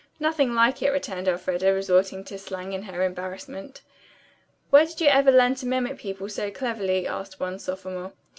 "Nothing like it," returned Elfreda, resorting to slang in her embarrassment. "Where did you ever learn to mimic people so cleverly?" asked one sophomore.